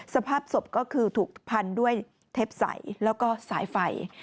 สภาพศพก็คือถูกพันด้วยเทปใสแล้วก็สายไฟ